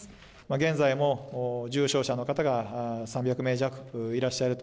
現在も重症者の方が３００名弱いらっしゃると。